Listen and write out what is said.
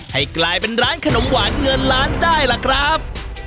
ให้กลายเป็นร้านขนมหวานเงินล้านได้ล่ะครับ